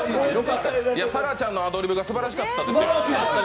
沙良ちゃんのアドリブがすばらしかったですよ。